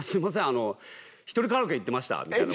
あの１人カラオケ行ってました」みたいな。